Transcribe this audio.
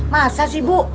masa sih bu